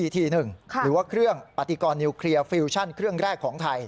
หรือว่าเครื่องปฏิกรนิวเคลียร์ฟิวชั่นเครื่องแรกของไทย